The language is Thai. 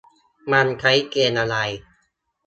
มันใช้เกณฑ์อะไร ?